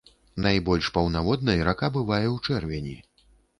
Найбольш паўнаводнай рака бывае ў чэрвені.